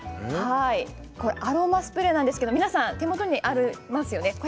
アロマスプレーなんですが皆さん、お手元にありますよね。